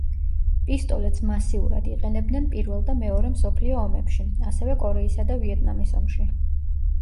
პისტოლეტს მასიურად იყენებდნენ პირველ და მეორე მსოფლიო ომებში, ასევე კორეისა და ვიეტნამის ომში.